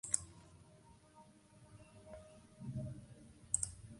El Cusco moderno, tal como lo conocemos actualmente, nació precisamente bajo esa ley.